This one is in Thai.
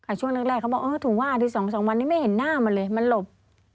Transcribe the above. อ่ะช่วงแรกเขาบอกถูกว่าถือ๒๓วันนี้ไม่เห็นหน้ามันเลยมันหลบ